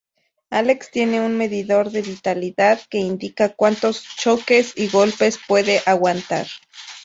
Alex tiene un medidor de vitalidad que indica cuantos choques y golpes puede aguantar.